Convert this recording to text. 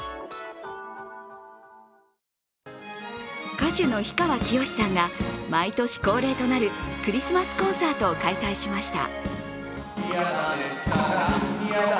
歌手の氷川きよしさんが毎年恒例となるクリスマスコンサートを開催しました。